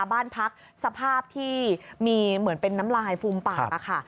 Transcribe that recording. บ้านพักสภาพที่มีเหมือนเป็นน้ำลายฟูมปากค่ะ